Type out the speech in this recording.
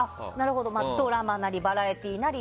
ドラマなりバラエティーなり。